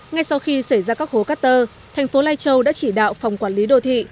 ngay sau khi xảy ra các hố cát tơ thành phố lai châu đã chỉ đạo phòng quản lý đô thị